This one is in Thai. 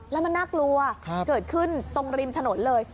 แล้วมันน่ากลัวเกิดขึ้นตรงริมถนนเลย